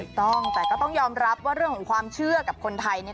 ถูกต้องแต่ก็ต้องยอมรับว่าเรื่องของความเชื่อกับคนไทยเนี่ย